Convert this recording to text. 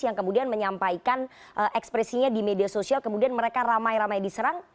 yang kemudian menyampaikan ekspresinya di media sosial kemudian mereka ramai ramai diserang